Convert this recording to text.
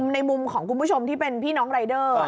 ในมุมของคุณผู้ชมที่เป็นพี่น้องรายเดอร์